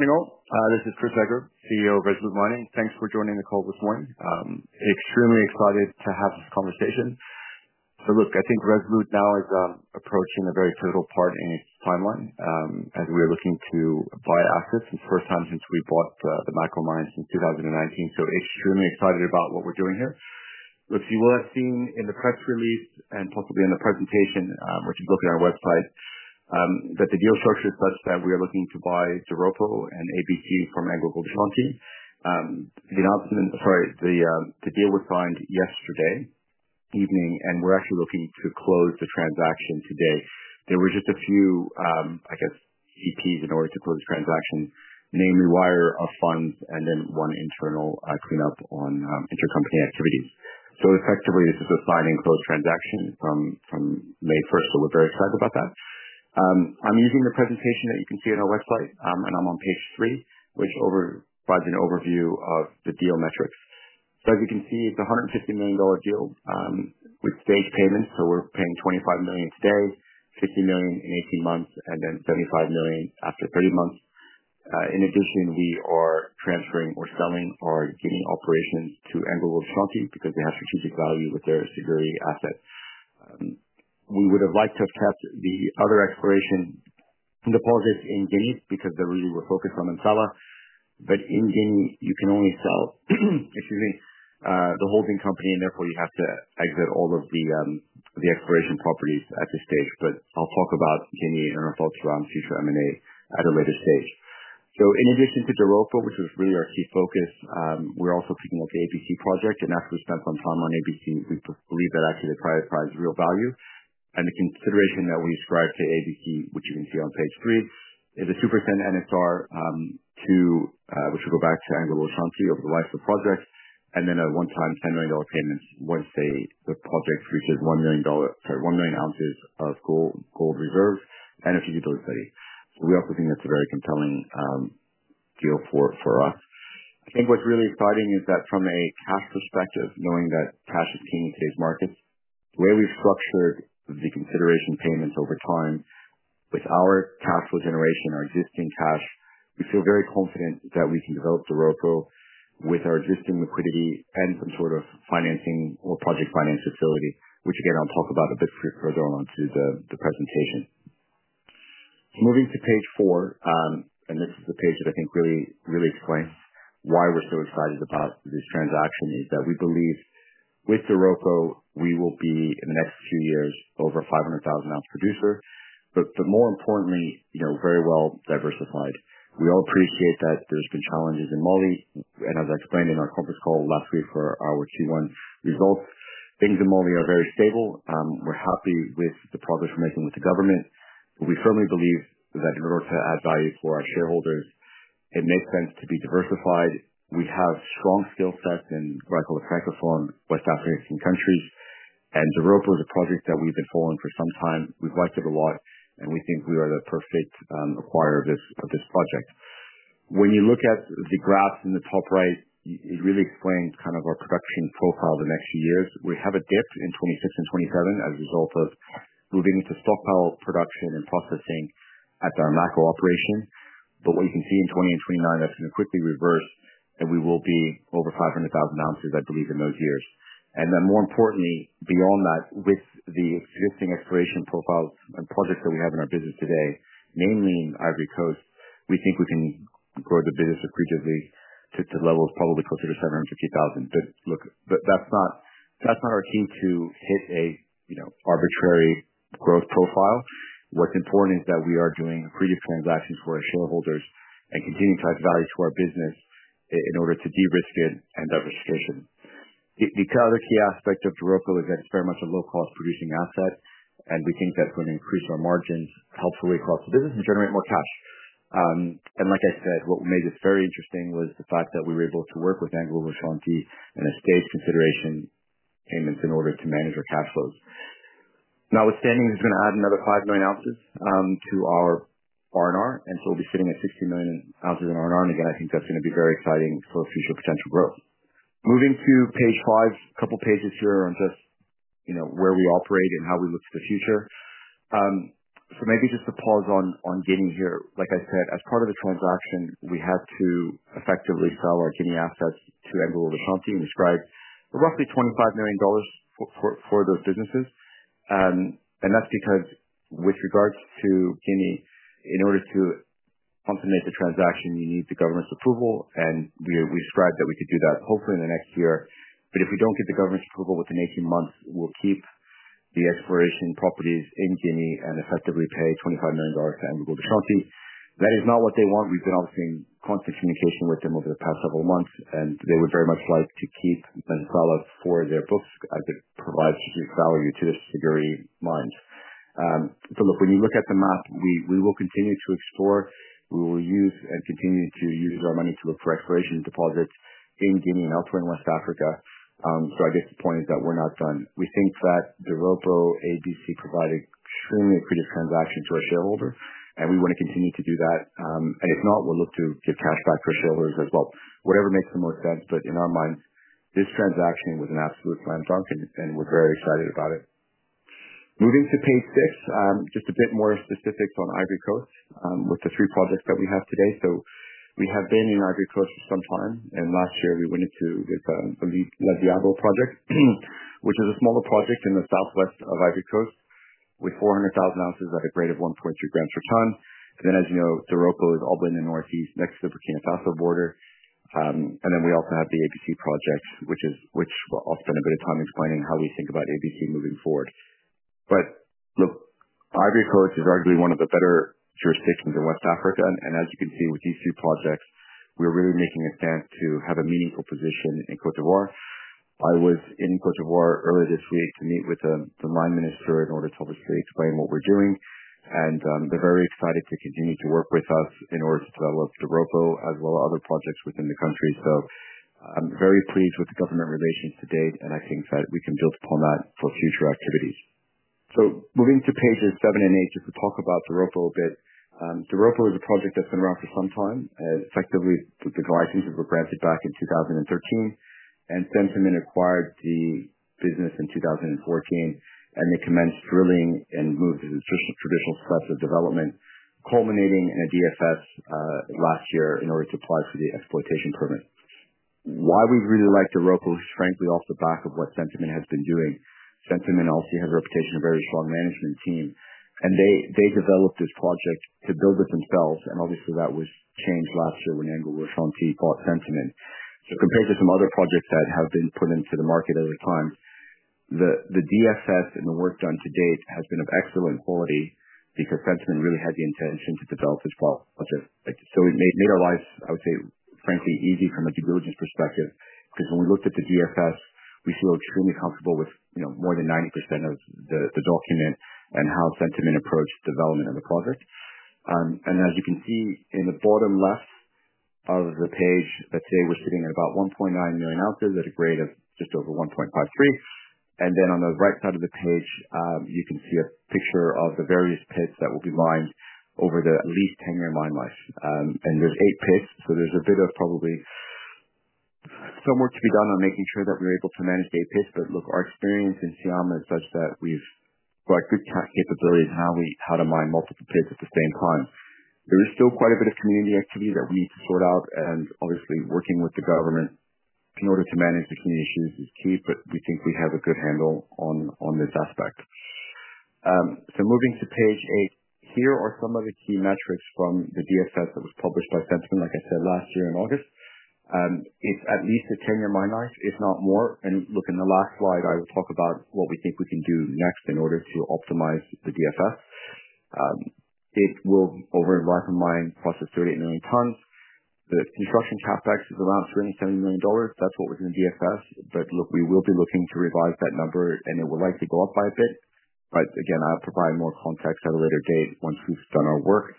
Hey,. This is Chris Eger, CEO of Resolute Mining. Thanks for joining the call this morning. Extremely excited to have this conversation. I think Resolute now is approaching a very pivotal part in its timeline as we are looking to buy assets for the first time since we bought the Mako mines in 2019. Extremely excited about what we're doing here. You will have seen in the press release and possibly in the presentation, which is located on our website, that the deal structure is such that we are looking to buy Doropo and ABC from AngloGold Ashanti. The announcement, sorry, the deal was signed yesterday evening, and we're actually looking to close the transaction today. There were just a few, I guess, EPs in order to close the transaction, namely wire of funds and then one internal cleanup on intercompany activities. Effectively, this is a sign-and-close transaction from May 1st, so we're very excited about that. I'm using the presentation that you can see on our website, and I'm on page three, which provides an overview of the deal metrics. As you can see, it's a $150 million deal with staged payments. We're paying $25 million today, $50 million in 18 months, and then $75 million after 30 months. In addition, we are transferring or selling our Guinea operations to AngloGold Ashanti because they have strategic value with their Siguiri asset. We would have liked to have kept the other exploration deposits in Guinea because they're really more focused on Mansala. In Guinea, you can only sell—excuse me—the holding company, and therefore you have to exit all of the exploration properties at this stage. I'll talk about Guinea and our thoughts around future M&A at a later stage. In addition to Doropo, which was really our key focus, we're also picking up the ABC project. After we spent some time on ABC, we believe that actually the private prize is real value. The consideration that we ascribe to ABC, which you can see on page three, is a 2% NSR, which will go back to AngloGold Ashanti over the life of the project, and then a one-time $10 million payment once the project reaches 1 million ounces of gold reserves and a few utility studies. We also think that's a very compelling deal for us. I think what's really exciting is that from a cash perspective, knowing that cash is king in today's markets, the way we've structured the consideration payments over time with our cash flow generation, our existing cash, we feel very confident that we can develop Doropo with our existing liquidity and some sort of financing or project finance facility, which, again, I'll talk about a bit further on to the presentation. Moving to page four, and this is the page that I think really explains why we're so excited about this transaction, is that we believe with Doropo, we will be in the next few years over a 500,000-ounce producer, but more importantly, very well diversified. We all appreciate that there's been challenges in Mali, and as I explained in our conference call last week for our Q1 results, things in Mali are very stable. We're happy with the progress we're making with the government. We firmly believe that in order to add value for our shareholders, it makes sense to be diversified. We have strong skill sets in what I call the Francophone West African countries, and Doropo is a project that we've been following for some time. We've liked it a lot, and we think we are the perfect acquirer of this project. When you look at the graphs in the top right, it really explains kind of our production profile of the next few years. We have a dip in 2026 and 2027 as a result of moving into stockpile production and processing at our Mako operation. What you can see in 2028 and 2029, that's going to quickly reverse, and we will be over 500,000 ounces, I believe, in those years. More importantly, beyond that, with the existing exploration profiles and projects that we have in our business today, mainly in Ivory Coast, we think we can grow the business accretively to levels probably closer to 750,000. Look, that's not our key to hit an arbitrary growth profile. What's important is that we are doing accretive transactions for our shareholders and continuing to add value to our business in order to de-risk it and diversification. The other key aspect of Doropo is that it's very much a low-cost producing asset, and we think that's going to increase our margins helpfully across the business and generate more cash. Like I said, what made this very interesting was the fact that we were able to work with AngloGold Ashanti and a staged consideration payment in order to manage our cash flows. Now, with standings, it's going to add another 5 million ounces to our R&R, and so we'll be sitting at 6 million ounces in R&R. I think that's going to be very exciting for future potential growth. Moving to page five, a couple of pages here on just where we operate and how we look to the future. Maybe just to pause on Guinea here. Like I said, as part of the transaction, we had to effectively sell our Guinea assets to AngloGold Ashanti and ascribe roughly $25 million for those businesses. That's because, with regards to Guinea, in order to consummate the transaction, you need the government's approval, and we ascribe that we could do that hopefully in the next year. If we do not get the government's approval within 18 months, we will keep the exploration properties in Guinea and effectively pay $25 million to AngloGold Ashanti. That is not what they want. We have been obviously in constant communication with them over the past several months, and they would very much like to keep Msala for their books as it provides strategic value to the Siguiri mines. Look, when you look at the map, we will continue to explore. We will use and continue to use our money to look for exploration deposits in Guinea and elsewhere in West Africa. I guess the point is that we are not done. We think that Doropo, ABC provided extremely accretive transaction to our shareholder, and we want to continue to do that. If not, we will look to give cash back to our shareholders as well. Whatever makes the most sense, but in our minds, this transaction was an absolute slam dunk, and we're very excited about it. Moving to page six, just a bit more specifics on Ivory Coast with the three projects that we have today. We have been in Ivory Coast for some time, and last year we went into the Les Diables project, which is a smaller project in the southwest of Ivory Coast with 400,000 ounces at a grade of 1.2 grams per ton. As you know, Doropo is all the way in the northeast next to the Burkina Faso border. We also have the ABC project, which I'll spend a bit of time explaining how we think about ABC moving forward. Look, Ivory Coast is arguably one of the better jurisdictions in West Africa. As you can see with these three projects, we're really making a stance to have a meaningful position in Côte d'Ivoire. I was in Côte d'Ivoire earlier this week to meet with the line minister in order to obviously explain what we're doing. They're very excited to continue to work with us in order to develop Doropo as well as other projects within the country. I'm very pleased with the government relations to date, and I think that we can build upon that for future activities. Moving to pages seven and eight, just to talk about Doropo a bit. Doropo is a project that's been around for some time. Effectively, the licenses were granted back in 2013, and Centamin acquired the business in 2014, and they commenced drilling and moved to the traditional steps of development, culminating in a DFS last year in order to apply for the exploitation permit. Why we really like Doropo is, frankly, off the back of what Centamin has been doing. Centamin also has a reputation of a very strong management team, and they developed this project to build it themselves. Obviously, that was changed last year when AngloGold Ashanti bought Centamin. Compared to some other projects that have been put into the market over time, the DFS and the work done to date has been of excellent quality because Centamin really had the intention to develop this project. It made our lives, I would say, frankly, easy from a due diligence perspective because when we looked at the DFS, we feel extremely comfortable with more than 90% of the document and how Centamin approached development of the project. As you can see in the bottom left of the page, let's say we're sitting at about 1.9 million ounces at a grade of just over 1.53. On the right side of the page, you can see a picture of the various pits that will be mined over the at least 10-year mine life. There are eight pits, so there is a bit of probably some work to be done on making sure that we're able to manage the eight pits. Look, our experience in Syama is such that we've got good capabilities in how to mine multiple pits at the same time. There is still quite a bit of community activity that we need to sort out, and obviously, working with the government in order to manage the community issues is key, but we think we have a good handle on this aspect. Moving to page eight, here are some of the key metrics from the DFS that was published by Centamin, like I said, last year in August. It is at least a 10-year mine life, if not more. Look, in the last slide, I will talk about what we think we can do next in order to optimize the DFS. It will, over a lifetime, process 38 million tons. The construction capex is around $370 million. That is what was in the DFS. Look, we will be looking to revise that number, and it will likely go up by a bit. Again, I'll provide more context at a later date once we've done our work.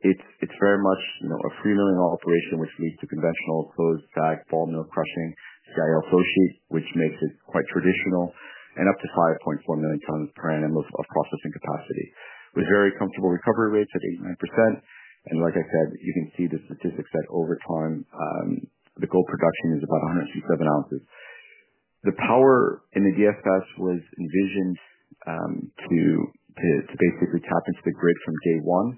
It's very much a 3 million operation, which leads to conventional closed SAG ball mill crushing, CIL flow sheet, which makes it quite traditional, and up to 5.4 million tons per annum of processing capacity with very comfortable recovery rates at 89%. Like I said, you can see the statistics that over time, the gold production is about 157,000 ounces. The power in the DFS was envisioned to basically tap into the grid from day one.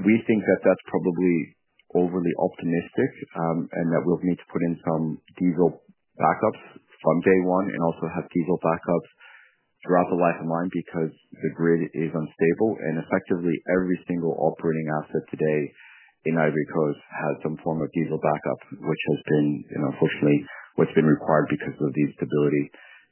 We think that that's probably overly optimistic and that we'll need to put in some diesel backups from day one and also have diesel backups throughout the life of mine because the grid is unstable. Effectively, every single operating asset today in has some form of diesel backup, which has been, unfortunately, what's been required because of the instability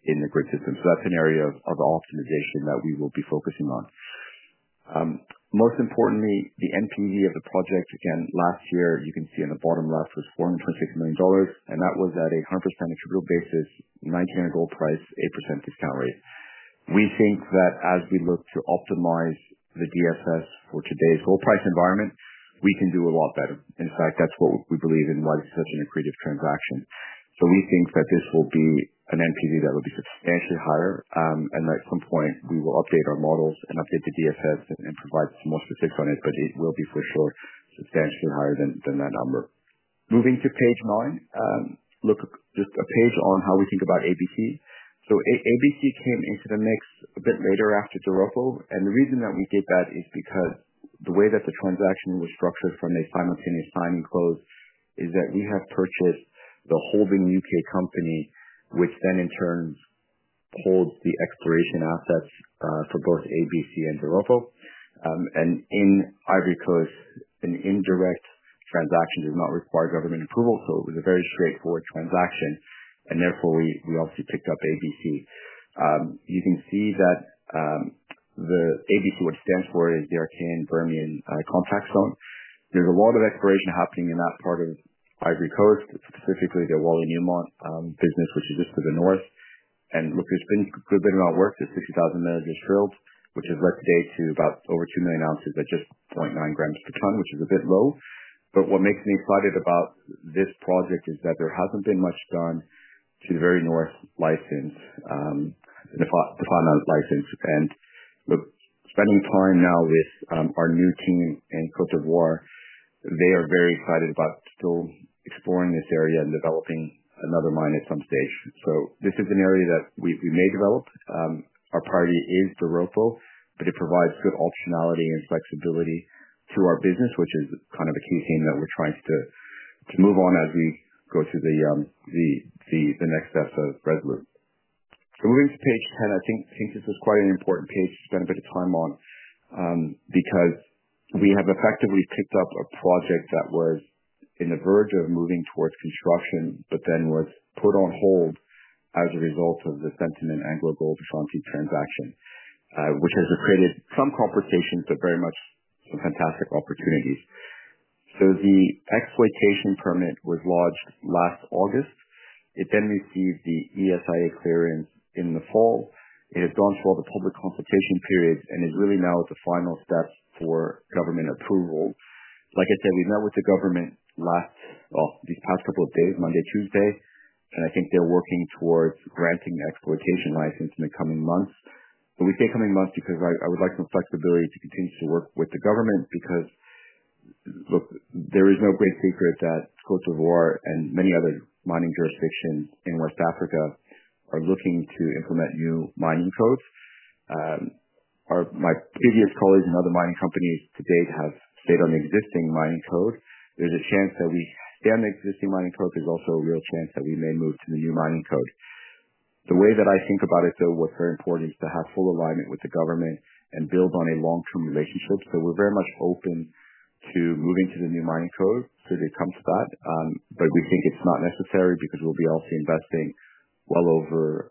in the grid system. That is an area of optimization that we will be focusing on. Most importantly, the NPV of the project, again, last year, you can see on the bottom left, was $426 million, and that was at a 100% attributable basis, $1,900 gold price, 8% discount rate. We think that as we look to optimize the DFS for today's gold price environment, we can do a lot better. In fact, that is what we believe and why this is such an accretive transaction. We think that this will be an NPV that will be substantially higher, and at some point, we will update our models and update the DFS and provide some more specifics on it, but it will be for sure substantially higher than that number. Moving to page nine, look, just a page on how we think about ABC. ABC came into the mix a bit later after Doropo, and the reason that we did that is because the way that the transaction was structured from a simultaneous signing clause is that we have purchased the [holding AGA] company, which then in turn holds the exploration assets for both ABC and Doropo. In Ivory Coast, an indirect transaction does not require government approval, so it was a very straightforward transaction, and therefore, we obviously picked up ABC. You can see that the ABC, what it stands for, is the ABC Project. There's a lot of exploration happening in that part of Ivory Coast, specifically the Newmont business, which is just to the north. Look, there's been a good bit of amount of work, just 60,000 m drilled, which has led today to about over 2 million ounces at just 0.9 grams per ton, which is a bit low. What makes me excited about this project is that there hasn't been much done to the very north license, the Fana license. Look, spending time now with our new team in Côte d’Ivoire, they are very excited about still exploring this area and developing another mine at some stage. This is an area that we may develop. Our priority is Doropo, but it provides good optionality and flexibility to our business, which is kind of a key theme that we're trying to move on as we go through the next steps of Resolute. Moving to page 10, I think this is quite an important page to spend a bit of time on because we have effectively picked up a project that was on the verge of moving towards construction, but then was put on hold as a result of the Centamin AngloGold Ashanti transaction, which has created some complications, but very much some fantastic opportunities. The exploitation permit was lodged last August. It then received the ESIA clearance in the fall. It has gone through all the public consultation periods and is really now at the final steps for government approval. Like I said, we met with the government last, these past couple of days, Monday, Tuesday, and I think they're working towards granting the exploitation license in the coming months. We say coming months because I would like some flexibility to continue to work with the government because, look, there is no great secret that Côte d'Ivoire and many other mining jurisdictions in West Africa are looking to implement new mining codes. My previous colleagues and other mining companies to date have stayed on the existing mining code. There's a chance that we stay on the existing mining code. There's also a real chance that we may move to the new mining code. The way that I think about it, though, what's very important is to have full alignment with the government and build on a long-term relationship. We're very much open to moving to the new mining code should it come to that. We think it's not necessary because we'll be obviously investing well over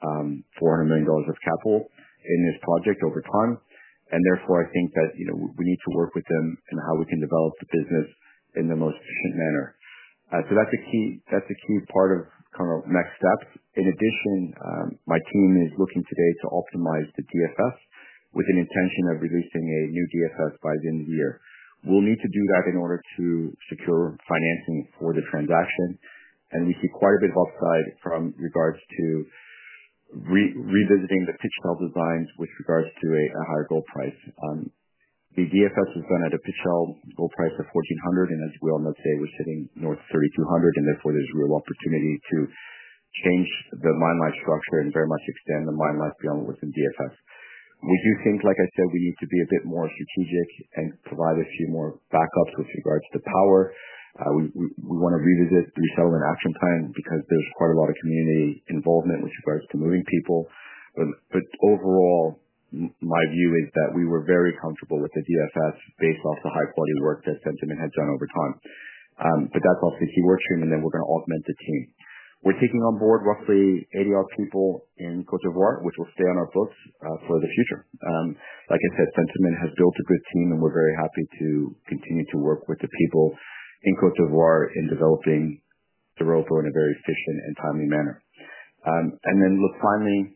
$400 million of capital in this project over time. Therefore, I think that we need to work with them in how we can develop the business in the most efficient manner. That's a key part of kind of next steps. In addition, my team is looking today to optimize the DFS with an intention of releasing a new DFS by the end of the year. We'll need to do that in order to secure financing for the transaction. We see quite a bit of upside from regards to revisiting the pit shell designs with regards to a higher gold price. The DFS was done at a pit shell gold price of $1,400. As we all know, today, we're sitting north of 3,200, and therefore, there's a real opportunity to change the mine life structure and very much extend the mine life beyond what's in DFS. We do think, like I said, we need to be a bit more strategic and provide a few more backups with regards to power. We want to revisit the resettlement action plan because there's quite a lot of community involvement with regards to moving people. Overall, my view is that we were very comfortable with the DFS based off the high-quality work that Centamin had done over time. That's obviously a key workstream, and then we're going to augment the team. We're taking on board roughly 80-odd people in Côte d’Ivoire, which will stay on our books for the future. Like I said, Centamin has built a good team, and we're very happy to continue to work with the people in Côte d'Ivoire in developing Doropo in a very efficient and timely manner. Finally,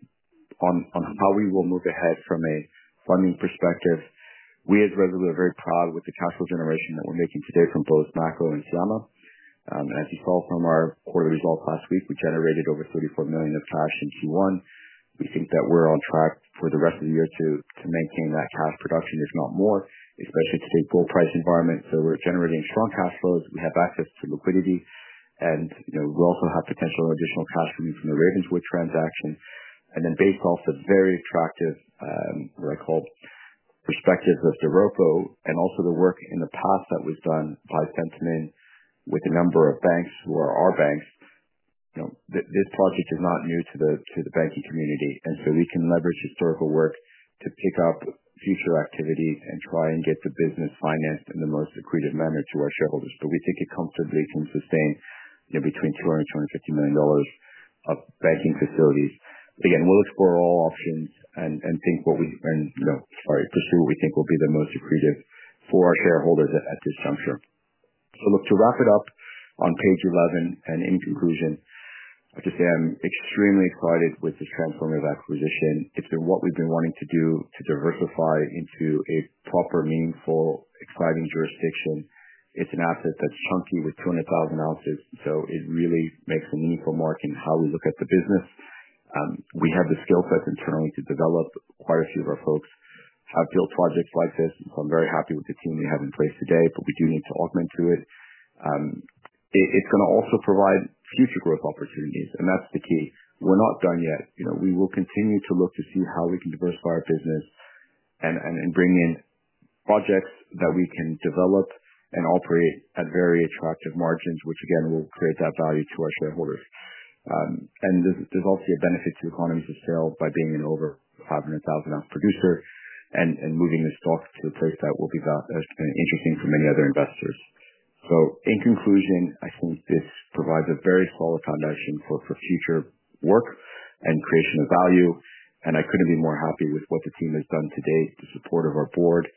on how we will move ahead from a funding perspective, we as Resolute are very proud with the cash flow generation that we're making today from both Mako and Syama. As you saw from our quarterly results last week, we generated over $34 million of cash in Q1. We think that we're on track for the rest of the year to maintain that cash production, if not more, especially in today's gold price environment. We are generating strong cash flows. We have access to liquidity, and we also have potential additional cash coming from the Ravenswood transaction. Based off the very attractive, what I call, perspectives of Doropo and also the work in the past that was done by Centamin with a number of banks who are our banks, this project is not new to the banking community. We can leverage historical work to pick up future activities and try and get the business financed in the most accretive manner to our shareholders. We think it comfortably can sustain between $200 million and $250 million of banking facilities. Again, we will explore all options and pursue what we think will be the most accretive for our shareholders at this juncture. To wrap it up on page 11 and in conclusion, I'll just say I'm extremely excited with this transformative acquisition. It's been what we've been wanting to do to diversify into a proper, meaningful, exciting jurisdiction. It's an asset that's chunky with 200,000 ounces, so it really makes a meaningful mark in how we look at the business. We have the skill sets internally to develop. Quite a few of our folks have built projects like this, and so I'm very happy with the team we have in place today, but we do need to augment to it. It's going to also provide future growth opportunities, and that's the key. We're not done yet. We will continue to look to see how we can diversify our business and bring in projects that we can develop and operate at very attractive margins, which again, will create that value to our shareholders. There is obviously a benefit to economies of scale by being an over 500,000 ounce producer and moving the stock to a place that will be interesting for many other investors. In conclusion, I think this provides a very solid foundation for future work and creation of value. I could not be more happy with what the team has done today, the support of our board,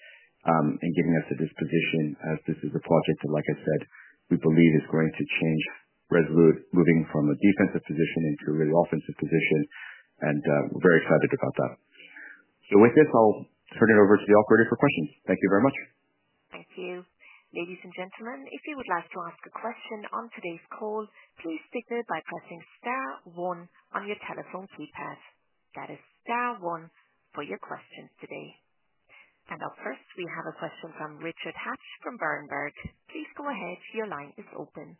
and giving us a disposition as this is a project that, like I said, we believe is going to change Resolute, moving from a defensive position into a really offensive position. We are very excited about that. With this, I will turn it over to the operator for questions. Thank you very much. Thank you. Ladies and gentlemen, if you would like to ask a question on today's call, please do so by pressing star one on your telephone keypad. That is star one for your question today. Up first, we have a question from Richard Hatch from Berenberg. Please go ahead. Your line is open.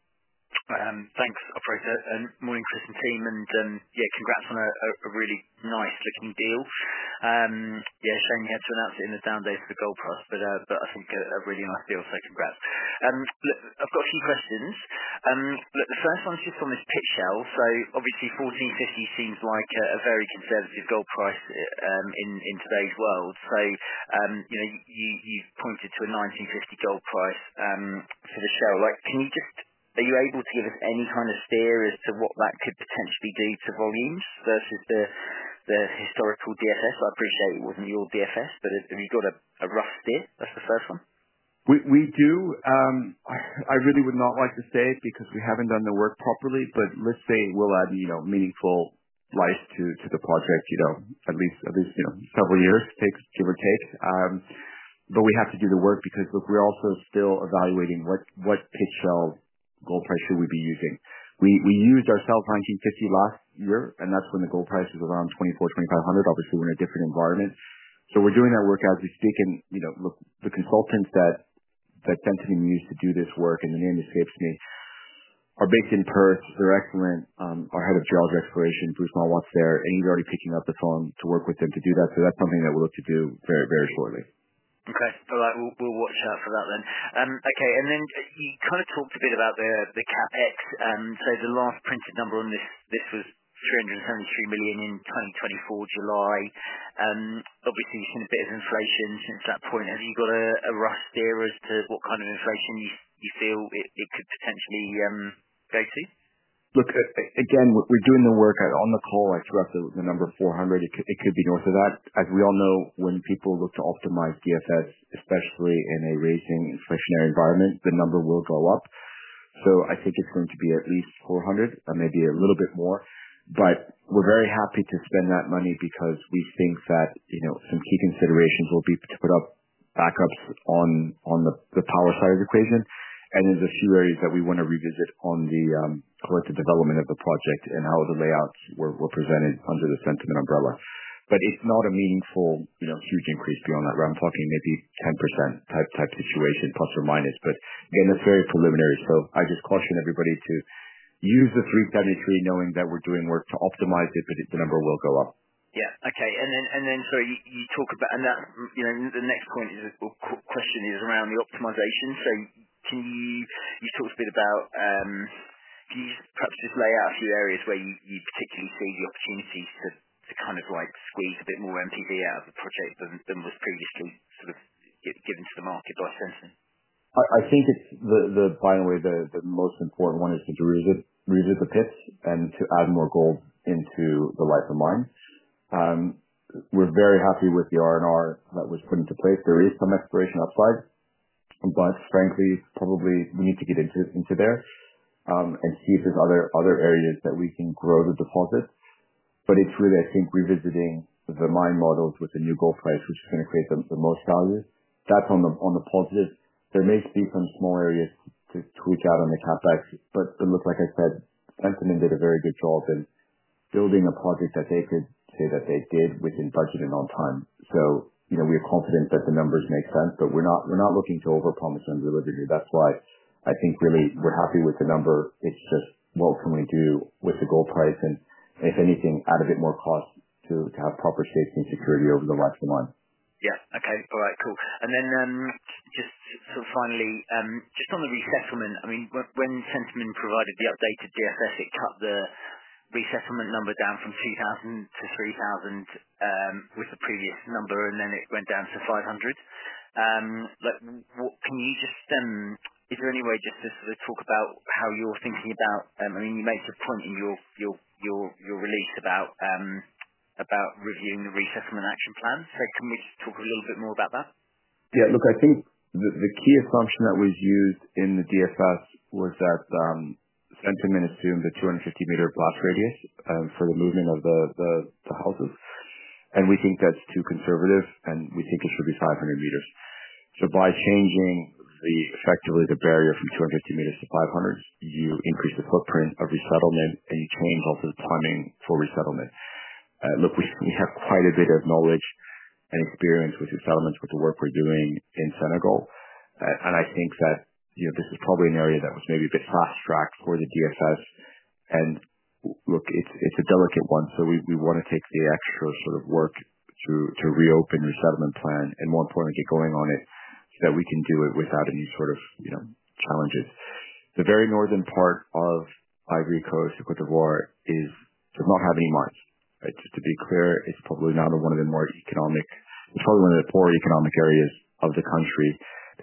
Thanks, operator. Morning, Chris and team. Yeah, congrats on a really nice-looking deal. Yeah, shame you had to announce it in the down days for the gold price, but I think a really nice deal, so congrats. Look, I've got a few questions. The first one's just on this pit shell. Obviously, $1,450 seems like a very conservative gold price in today's world. You've pointed to a $1,950 gold price for the shell. Can you just, are you able to give us any kind of steer as to what that could potentially do to volumes versus the historical DFS? I appreciate it wasn't your DFS, but have you got a rough steer? That's the first one. We do. I really would not like to say it because we have not done the work properly, but let's say it will add meaningful life to the project, at least several years, give or take. We have to do the work because, look, we are also still evaluating what pitch hell gold price should we be using. We used ourselves $1,950 last year, and that is when the gold price was around $2,400-$2,500. Obviously, we are in a different environment. We are doing that work as we speak. The consultants that Centamin used to do this work, and the name escapes me, are based in Perth. They are excellent. Our Head of Geology and Exploration, Bruce Mowat, is there, and he is already picking up the phone to work with them to do that. That is something that we will look to do very, very shortly. Okay. All right. We will watch out for that then. Okay. You kind of talked a bit about the CapEx. The last printed number on this, this was $373 million in 2024, July. Obviously, you've seen a bit of inflation since that point. Have you got a rough steer as to what kind of inflation you feel it could potentially go to? Look, again, we're doing the work on the call. I threw out the number $400 million. It could be north of that. As we all know, when people look to optimize DFS, especially in a rising inflationary environment, the number will go up. I think it's going to be at least $400 million, maybe a little bit more. We're very happy to spend that money because we think that some key considerations will be to put up backups on the power side of the equation. There are a few areas that we want to revisit on the collective development of the project and how the layouts were presented under the Centamin umbrella. It is not a meaningful huge increase beyond that. I'm talking maybe 10% type situation, plus or minus. That is very preliminary. I just caution everybody to use the $373 million knowing that we're doing work to optimize it, but the number will go up. Yeah. Okay. The next point or question is around the optimization. You talked a bit about, can you perhaps just lay out a few areas where you particularly see the opportunities to kind of squeeze a bit more NPV out of the project than was previously sort of given to the market by Centamin? I think, by the way, the most important one is to revisit the pits and to add more gold into the life of mines. We're very happy with the R&R that was put into place. There is some exploration upside, but frankly, probably we need to get into there and see if there's other areas that we can grow the deposit. It's really, I think, revisiting the mine models with the new gold price, which is going to create the most value. That's on the positive. There may be some small areas to tweak out on the CapEx, but like I said, Centamin did a very good job in building a project that they could say that they did within budget and on time. We are confident that the numbers make sense, but we're not looking to overpromise on delivery. That's why I think really we're happy with the number. It's just, well, can we do with the gold price and, if anything, add a bit more cost to have proper safety and security over the life of the mine? Yeah. Okay. All right. Cool. And then just sort of finally, just on the resettlement, I mean, when Centamin provided the updated DFS, it cut the resettlement number down from 2,000 m-3,000 m with the previous number, and then it went down to 500 m. Can you just, is there any way just to sort of talk about how you're thinking about, I mean, you made a point in your release about reviewing the resettlement action plan. So can we just talk a little bit more about that? Yeah. Look, I think the key assumption that was used in the DFS was that Centamin is doing the 250-m blast radius for the movement of the houses. We think that's too conservative, and we think it should be 500 m. By changing effectively the barrier from 250 m to 500 m, you increase the footprint of resettlement, and you change also the timing for resettlement. Look, we have quite a bit of knowledge and experience with resettlement with the work we're doing in Senegal. I think that this is probably an area that was maybe a bit fast-tracked for the DFS. It's a delicate one. We want to take the extra sort of work to reopen the resettlement plan and, more importantly, get going on it so that we can do it without any sort of challenges. The very northern part of Côte d’Ivoire does not have any mines. Just to be clear, it's probably not one of the more economic; it's probably one of the poorer economic areas of the country.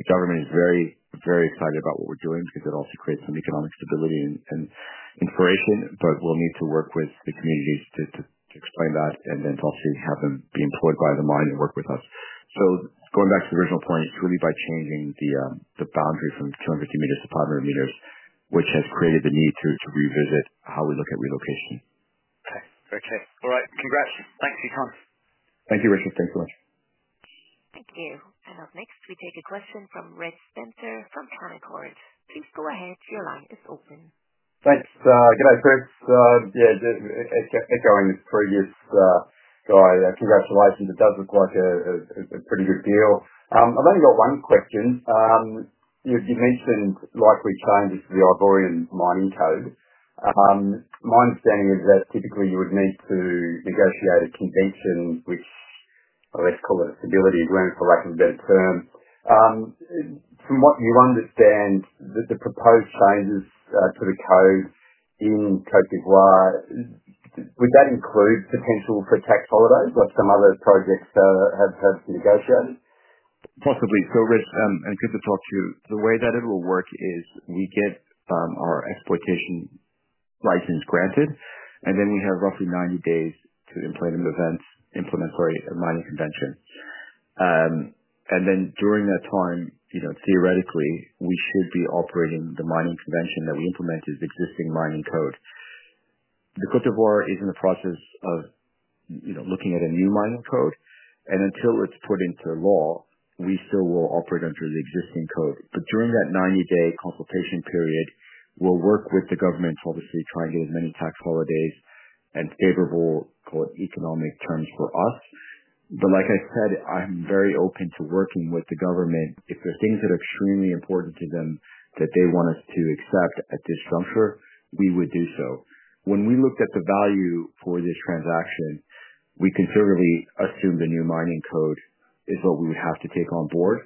The government is very, very excited about what we're doing because it also creates some economic stability and inspiration, but we'll need to work with the communities to explain that and then to obviously have them be employed by the mine and work with us. Going back to the original point, it's really by changing the boundary from 250 m to 500 m, which has created the need to revisit how we look at relocation. Okay. Okay. All right. Congrats. Thanks for your time. Thank you, Richard. Thanks so much. Thank you. Up next, we take a question from Reg Spencer from Canaccord. Please go ahead. Your line is open. Thanks. Good day. Chris, yeah, echoing the previous guy, congratulations. It does look like a pretty good deal. I've only got one question. You've mentioned likely changes to the Ivorian Mining Code. My understanding is that typically you would need to negotiate a convention, which, let's call it a stability agreement, for lack of a better term. From what you understand, the proposed changes to the code in Côte d'Ivoire, would that include potential for tax holidays, like some other projects have been negotiated? Possibly. Reg, I'm going to talk to you. The way that it will work is we get our exploitation license granted, and then we have roughly 90 days to implement an event, implement, sorry, a mining convention. During that time, theoretically, we should be operating the mining convention that we implemented, the existing mining code. Côte d’Ivoire is in the process of looking at a new mining code. Until it is put into law, we still will operate under the existing code. During that 90-day consultation period, we will work with the government to obviously try and get as many tax holidays and favorable, call it, economic terms for us. Like I said, I am very open to working with the government. If there are things that are extremely important to them that they want us to accept at this juncture, we would do so. When we looked at the value for this transaction, we conservatively assumed the new mining code is what we would have to take on board,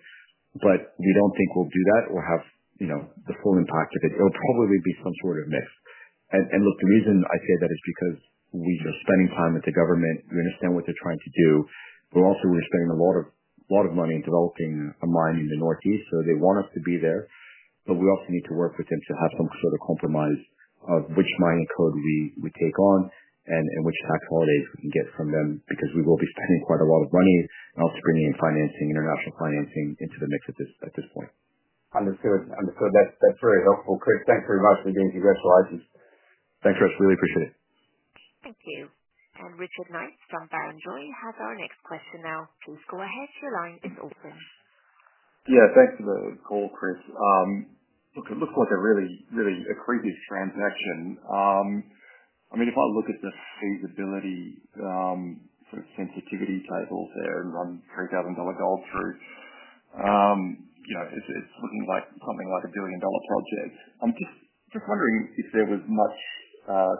but we do not think we will do that or have the full impact of it. It will probably be some sort of mix. Look, the reason I say that is because we are spending time with the government. We understand what they're trying to do. We're also spending a lot of money developing a mine in the northeast, so they want us to be there. We also need to work with them to have some sort of compromise of which mining code we take on and which tax holidays we can get from them because we will be spending quite a lot of money and also bringing in international financing into the mix at this point. Understood. Understood. That's very helpful. Chris, thanks very much. We're getting congratulations. Thanks, Reg. Really appreciate it. Thank you. Richard Knights from Barrenjoey has our next question now. Please go ahead. Your line is open. Yeah. Thanks for the call, Chris. Look, it looks like a really, really crazy transaction. I mean, if I look at the feasibility sort of sensitivity tables there and run $3,000 gold through, it's looking like something like a billion-dollar project. I'm just wondering if there was much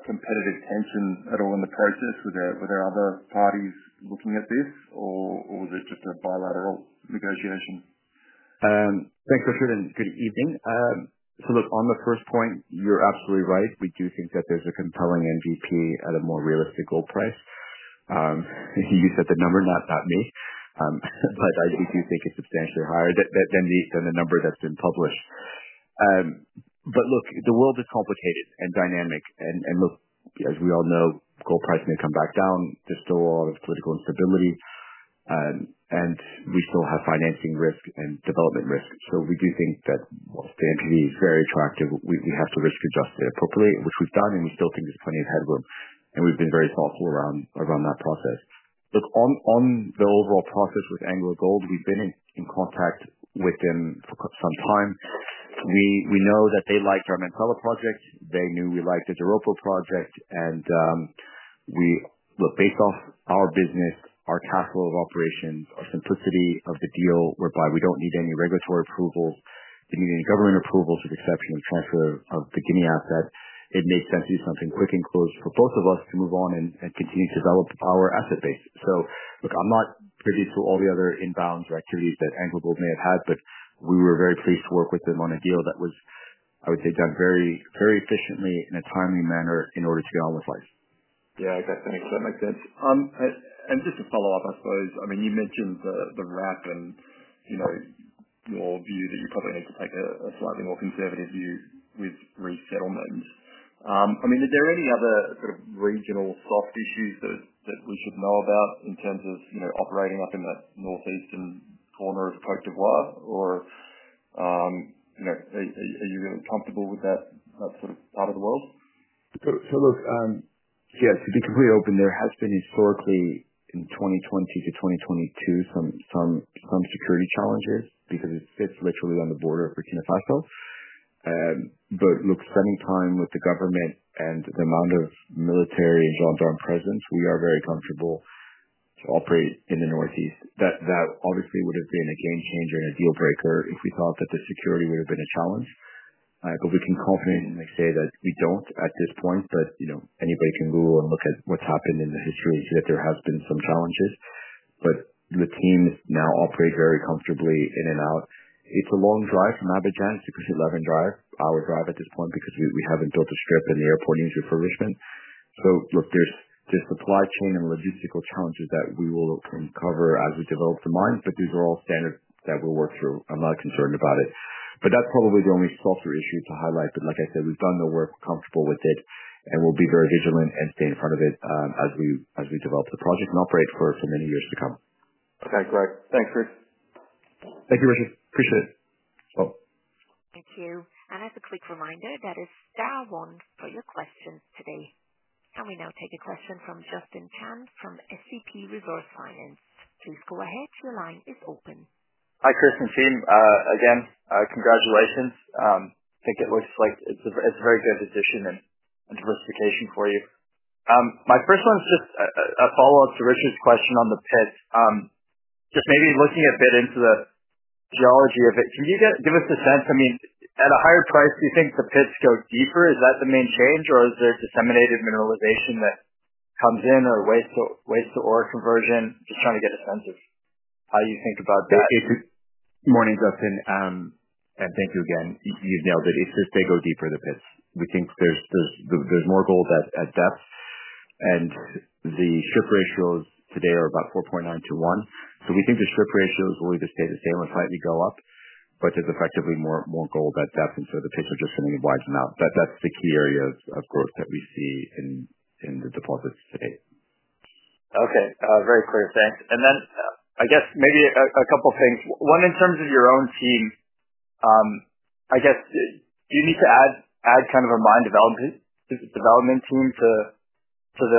competitive tension at all in the process. Were there other parties looking at this, or was it just a bilateral negotiation? Thanks for sharing. Good evening. Look, on the first point, you're absolutely right. We do think that there's a compelling NPV at a more realistic gold price. You said the number, not me, but I do think it's substantially higher than the number that's been published. Look, the world is complicated and dynamic. As we all know, gold price may come back down. There's still a lot of political instability, and we still have financing risk and development risk. We do think that while the NPV is very attractive, we have to risk-adjust it appropriately, which we've done, and we still think there's plenty of headroom. We've been very thoughtful around that process. Look, on the overall process with AngloGold, we've been in contact with them for some time. We know that they liked our manpower project. They knew we liked the Doropo project. Look, based off our business, our cash flow of operations, our simplicity of the deal, whereby we don't need any regulatory approvals, we don't need any government approvals with the exception of transfer of the Guinea asset, it makes sense to do something quick and close for both of us to move on and continue to develop our asset base. Look, I'm not privy to all the other inbounds or activities that AngloGold may have had, but we were very pleased to work with them on a deal that was, I would say, done very efficiently in a timely manner in order to get on with life. Yeah. Okay. Thanks. That makes sense. Just to follow up, I suppose, I mean, you mentioned the wrap and your view that you probably need to take a slightly more conservative view with resettlement. I mean, are there any other sort of regional soft issues that we should know about in terms of operating up in that northeastern corner of Côte d’Ivoire? Are you really comfortable with that sort of part of the world? Yeah, to be completely open, there has been historically in 2020 to 2022, some security challenges because it sits literally on the border of Burkina Faso. Spending time with the government and the amount of military and gendarme presence, we are very comfortable to operate in the northeast. That obviously would have been a game changer and a deal breaker if we thought that the security would have been a challenge. We can confidently say that we do not at this point, but anybody can Google and look at what has happened in the history and see that there have been some challenges. The team now operates very comfortably in and out. It is a long drive from Abidjan to [Kusitlawen Drive], our drive at this point because we have not built a strip and the airport needs refurbishment. Look, there are supply chain and logistical challenges that we will uncover as we develop the mine, but these are all standard that we'll work through. I'm not concerned about it. That is probably the only softer issue to highlight. Like I said, we've done the work, we're comfortable with it, and we'll be very vigilant and stay in front of it as we develop the project and operate for many years to come. Okay. Great. Thanks, Chris. Thank you, Richard. Appreciate it. Bye. Thank you. As a quick reminder, that is Starawon for your question today. We now take a question from Justin Chan from SCP Resource Finance. Please go ahead. Your line is open. Hi, Chris and team. Again, congratulations. I think it looks like it's a very good addition and diversification for you. My first one is just a follow-up to Richard's question on the pits. Just maybe looking a bit into the geology of it, can you give us a sense? I mean, at a higher price, do you think the pits go deeper? Is that the main change, or is there disseminated mineralization that comes in or waste to ore conversion? Just trying to get a sense of how you think about that. Morning, Justin. Thank you again. You have nailed it. It is just they go deeper, the pits. We think there is more gold at depth, and the strip ratios today are about 4.9 to 1. We think the strip ratios will either stay the same or slightly go up, but there is effectively more gold at depth, and the pits are just going to be widened out. That's the key area of growth that we see in the deposits today. Okay. Very clear. Thanks. I guess maybe a couple of things. One, in terms of your own team, do you need to add kind of a mine development team to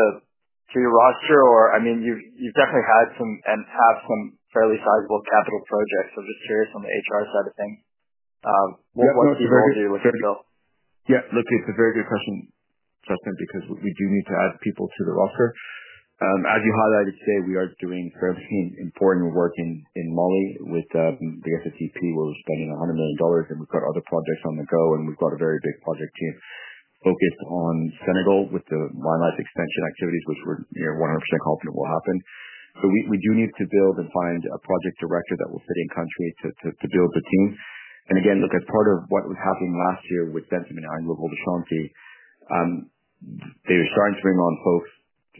your roster? I mean, you've definitely had some and have some fairly sizable capital projects. I'm just curious on the HR side of things. What's the role of you looking to build? Yeah. Look, it's a very good question, Justin, because we do need to add people to the roster. As you highlighted today, we are doing fairly important work in Mali with the SSCP. We're spending $100 million, and we've got other projects on the go, and we've got a very big project team focused on Senegal with the mine life extension activities, which we're near 100% confident will happen. We do need to build and find a project director that will fit in country to build the team. Again, as part of what was happening last year with Centamin and AngloGold Ashanti, they were starting to bring on folks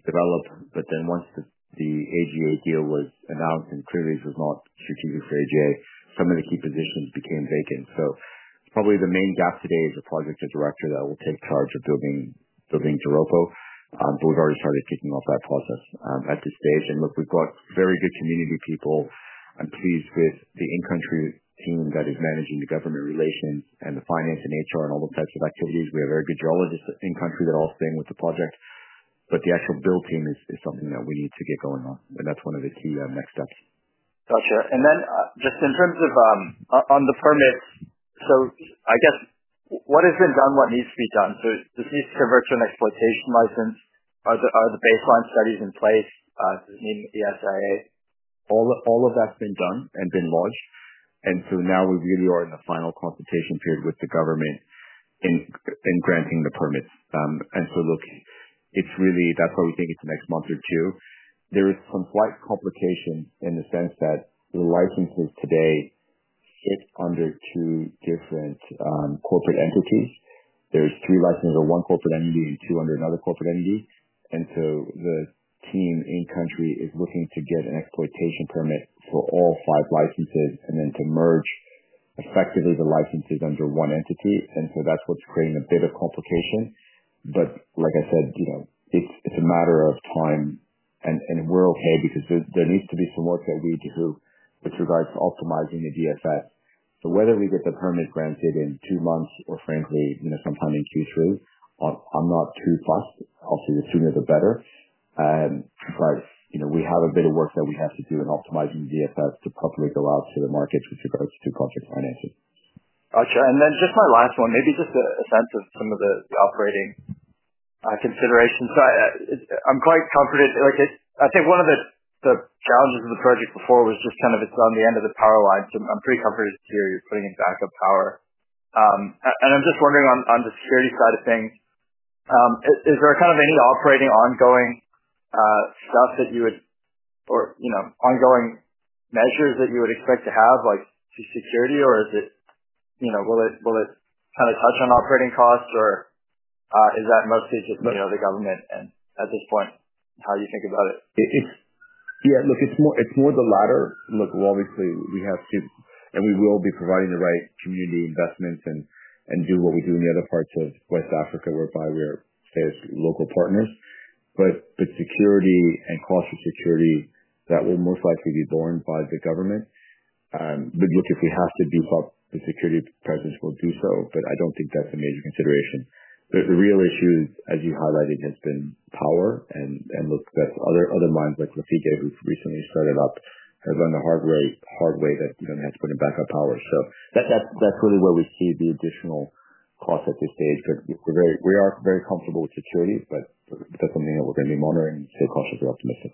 to develop, but then once the AGA deal was announced and Corvuz was not strategic for AGA, some of the key positions became vacant. Probably the main gap today is a project director that will take charge of building Doropo, but we've already started kicking off that process at this stage. We have very good community people. I'm pleased with the in-country team that is managing the government relations and the finance and HR and all those types of activities. We have very good geologists in country that are all staying with the project. The actual build team is something that we need to get going on, and that's one of the key next steps. Gotcha. In terms of the permits, I guess what has been done, what needs to be done? This needs to convert to an exploitation license. Are the baseline studies in place? Does it need an ESIA? All of that's been done and been launched. Now we really are in the final consultation period with the government in granting the permits. Look, that's why we think it's the next month or two. There is some slight complication in the sense that the licenses today sit under two different corporate entities. There are three licenses under one corporate entity and two under another corporate entity. The team in country is looking to get an exploitation permit for all five licenses and then to merge effectively the licenses under one entity. That is what is creating a bit of complication. Like I said, it is a matter of time, and we are okay because there needs to be some work that we do with regards to optimizing the DFS. Whether we get the permit granted in two months or, frankly, sometime in Q3, I am not too fussed. Obviously, the sooner, the better. We have a bit of work that we have to do in optimizing the DFS to properly go out to the markets with regards to project financing. Gotcha. My last one, maybe just a sense of some of the operating considerations. I am quite comforted. I think one of the challenges of the project before was just kind of it's on the end of the power line. I am pretty comforted to hear you're putting in backup power. I am just wondering on the security side of things, is there kind of any operating ongoing stuff that you would or ongoing measures that you would expect to have to security, or will it kind of touch on operating costs, or is that mostly just the government? At this point, how do you think about it? Yeah. Look, it's more the latter. Look, obviously, we have to and we will be providing the right community investments and do what we do in the other parts of West Africa whereby we're, say, local partners. Security and cost of security, that will most likely be borne by the government. Look, if we have to beef up the security presence, we'll do so, but I don't think that's a major consideration. The real issue, as you highlighted, has been power. Other mines like Lafigué, who recently started up, have learned the hard way that we had to put in backup power. That's really where we see the additional cost at this stage. We are very comfortable with security, but that's something that we're going to be monitoring and stay cautiously optimistic.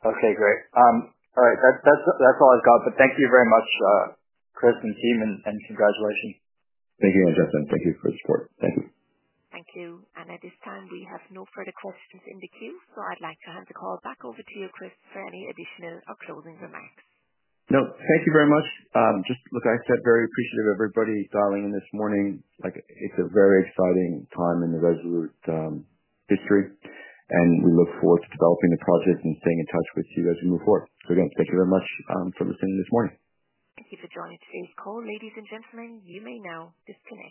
Okay. Great. All right. That's all I've got, but thank you very much, Chris and team, and congratulations. Thank you again, Justin. Thank you for the support. Thank you. Thank you. At this time, we have no further questions in the queue, so I'd like to hand the call back over to you, Chris, for any additional or closing remarks. No. Thank you very much. Just like I said, very appreciative of everybody dialing in this morning. It is a very exciting time in the Resolute history, and we look forward to developing the project and staying in touch with you as we move forward. Again, thank you very much for listening this morning. Thank you for joining today's call, ladies and gentlemen. You may now disconnect.